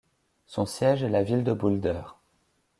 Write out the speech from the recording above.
Son siège est la ville de Boulder.